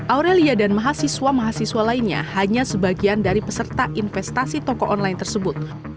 aurelia dan mahasiswa mahasiswa lainnya hanya sebagian dari peserta investasi toko online tersebut